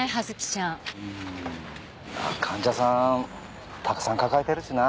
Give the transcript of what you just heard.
まあ患者さんたくさん抱えてるしな。